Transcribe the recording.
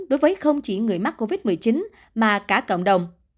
đối với không chỉ người mắc covid một mươi chín mà cả cộng đồng